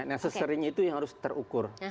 necessary nya itu yang harus terukur